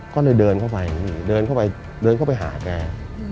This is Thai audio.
ก็เลยเดินเข้าไปเดินเข้าไปหาแก